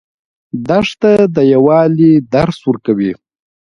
دښته د یووالي درس ورکوي.